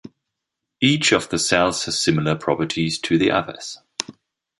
Each of the cells has similar properties to the others.